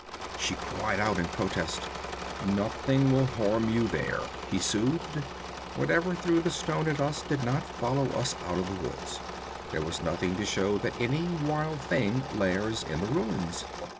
She cried out in protest. 'Nothing will harm you there,' he soothed. 'Whatever threw the stone at us did not follow us out of the woods. There was nothing to show that any wild thing lairs in the ruins.